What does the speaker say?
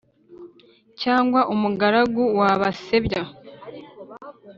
Cyangwa umugaragu wa Basebya